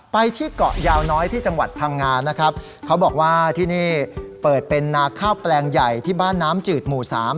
ไปที่เกาะยาวน้อยที่จังหวัดพังงานะครับเขาบอกว่าที่นี่เปิดเป็นนาข้าวแปลงใหญ่ที่บ้านน้ำจืดหมู่สาม